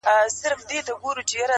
چې چغې وکړي